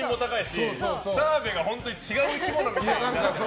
澤部が本当に違う生き物みたいな。